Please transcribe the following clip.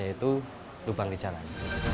yaitu lubang di jalan